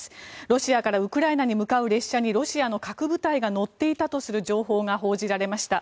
ロシアからウクライナに向かう列車にロシアの核部隊が乗っていたとする情報が報じられました。